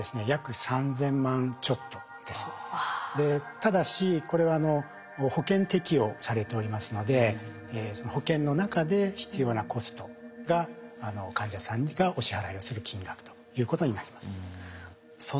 ただしこれは保険適用されておりますので保険の中で必要なコストが患者さんがお支払いをする金額ということになります。